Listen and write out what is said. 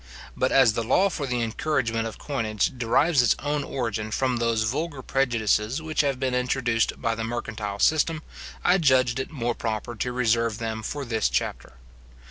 But as the law for the encouragement of coinage derives its origin from those vulgar prejudices which have been introduced by the mercantile system, I judged it more proper to reserve them for this chapter.